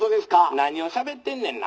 「何をしゃべってんねんな。